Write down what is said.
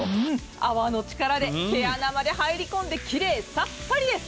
泡の力で毛穴まで入り込んで、きれいさっぱりです。